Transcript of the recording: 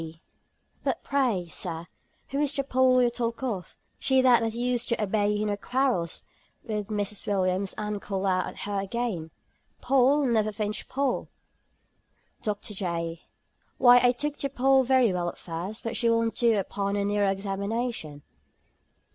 T. "But pray, Sir, who is the Poll you talk of? She that you used to abet in her quarrels with Mrs. Williams, and call out, At her again, Poll! Never flinch, Poll!" DR. J. "Why, I took to Poll very well at first, but she won't do upon a nearer examination."